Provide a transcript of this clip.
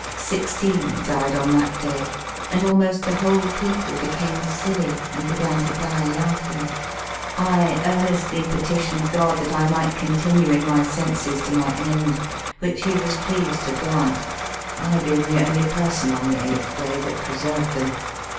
Sixteen died on that day, and almost the whole people became silly, and began to die laughiug. I earnestly petitioned God that I might continue in my senses to my end, which He was pleased to grant : I being the only person on the eighth day that preserved them.